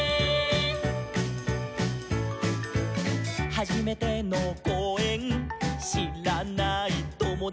「はじめてのこうえんしらないともだち」